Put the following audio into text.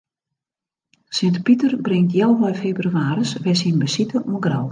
Sint Piter bringt healwei febrewaris wer syn besite oan Grou.